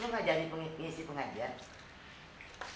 lu mengajar pengisian pengajian